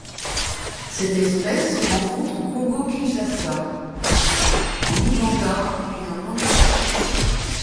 Cette espèce se rencontre au Congo-Kinshasa, en Ouganda et en Angola.